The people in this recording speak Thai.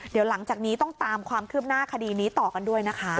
เดี๋ยวหลังจากนี้ต้องตามความคืบหน้าคดีนี้ต่อกันด้วยนะคะ